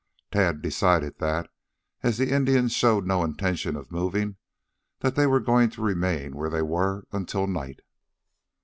Tad decided that, as the Indians showed no intention of moving, they were going to remain where they were until night.